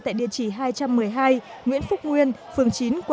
tại địa chỉ hai trăm một mươi hai nguyễn phúc nguyên phường chín tp hcm